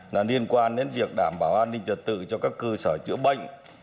là liên quan đến việc đảm bảo an ninh trật tự cho các cơ sở chữa bệnh